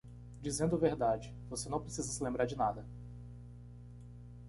Dizendo a verdade, você não precisa se lembrar de nada.